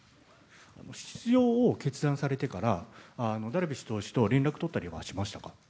出場を決断されてから、ダルビッシュ投手と連絡取ったりはしましたか。